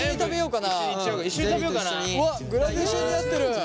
うわっグラデーションになってる。